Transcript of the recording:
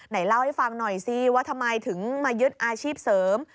ไหนเล่าให้ฟังหน่อยสิว่าทำไมถึงมายึดอาชีพเสริม